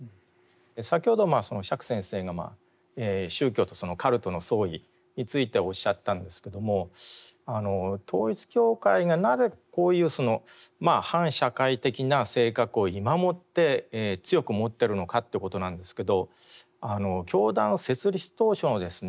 先ほど釈先生が宗教とカルトの相違についておっしゃったんですけども統一教会がなぜこういう反社会的な性格を今もって強く持っているのかっていうことなんですけど教団設立当初のですね